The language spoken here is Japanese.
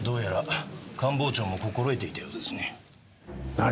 何！？